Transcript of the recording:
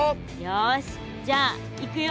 よしじゃあいくよ。